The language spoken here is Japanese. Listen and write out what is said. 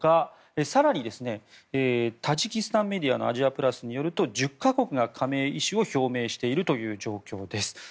更に、タジキスタンメディアのアジアプラスによりますと１０か国が加盟の意思を表明している状況です。